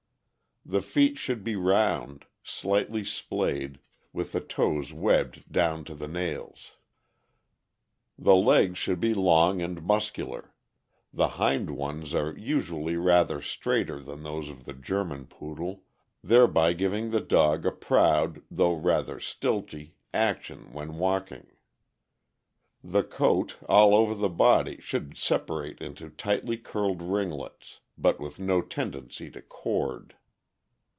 The feet should be round, slightly splayed, with the toes webbed down to the nails. The legs should be long and muscular; the hind ones are usually rather straighter than those of the German Poodle, thereby giving the dog a proud, though rather stilty, action when walking. The coat, all over the body, should separate into tightly curled ringlets, but with no tendency to cord.